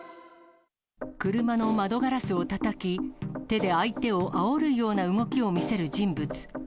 車の窓ガラスをたたき、手で相手をあおるような動きを見せる人物。